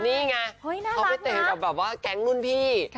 นี่ไงเขาไปเตะกับแบบว่าแก๊งรุ่นพี่